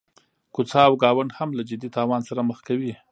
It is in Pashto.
کوڅه او ګاونډ هم له جدي تاوان سره مخ کوي.